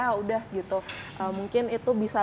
ya udah gitu mungkin itu bisa